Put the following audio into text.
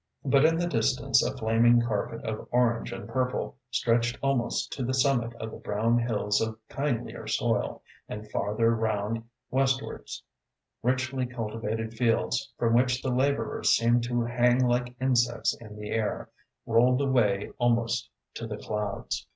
But in the distance, a flaming carpet of orange and purple stretched almost to the summit of the brown hills of kindlier soil, and farther round, westwards, richly cultivated fields, from which the labourers seemed to hang like insects in the air, rolled away almost to the clouds.